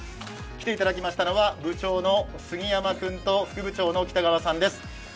来ていただきましたのは部長の杉山君と副部長の北川さんです。